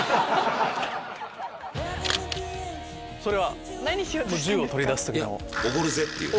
それは銃を取り出す時の？